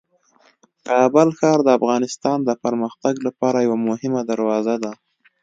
کابل ښار د افغانستان د پرمختګ لپاره یوه مهمه دروازه ده.